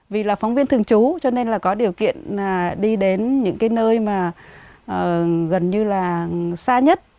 vì là phóng viên thường trú cho nên là có điều kiện đi đến những cái nơi mà gần như là xa nhất